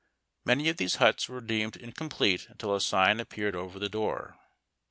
Many of these huts were deemed incomplete until a sign appeared over the door.